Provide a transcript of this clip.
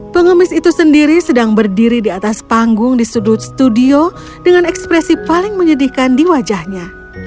pengemis itu sendiri sedang berdiri di atas panggung di sudut studio dengan ekspresi paling menyedihkan di wajahnya